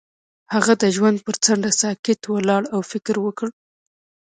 هغه د ژوند پر څنډه ساکت ولاړ او فکر وکړ.